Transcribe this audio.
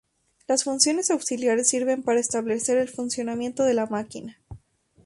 Las funciones auxiliares sirven para establecer el funcionamiento de la máquina.